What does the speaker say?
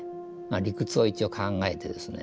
理屈を一応考えてですね